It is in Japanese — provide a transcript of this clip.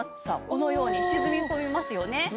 さあこのように沈み込みますよね。